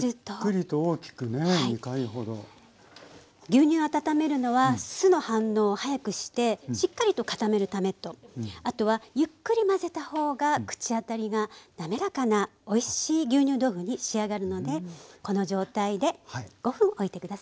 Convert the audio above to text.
牛乳を温めるのは酢の反応をはやくしてしっかりと固めるためとあとはゆっくり混ぜた方が口当たりがなめらかなおいしい牛乳豆腐に仕上がるのでこの状態で５分おいて下さい。